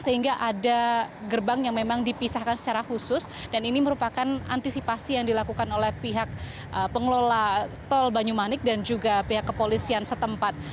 sehingga ada gerbang yang memang dipisahkan secara khusus dan ini merupakan antisipasi yang dilakukan oleh pihak pengelola tol banyumanik dan juga pihak kepolisian setempat